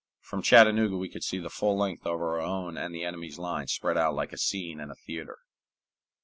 From Chattanooga we could see the full length of our own and the enemy's lines spread out like a scene in a theater.